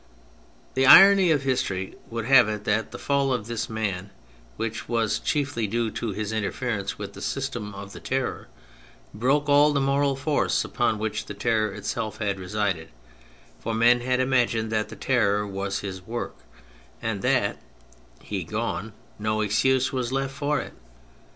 The irony of history would have it that the fall of this man, which was chiefly due to his interference with the system of the Terror, broke all the moral force upon which the Terror itself had resided; for men had imagined that the Terror was his work, and that, he gone, no excuse was left for it.